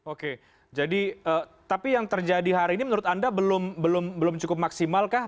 oke tapi yang terjadi hari ini menurut anda belum cukup maksimal kah